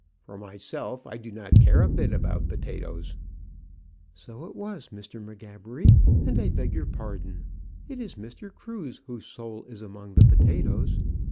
"For myself, I do not care a bit about potatoes." "So it was, Mr. M'Gabbery; and I beg your pardon. It is Mr. Cruse whose soul is among the potatoes.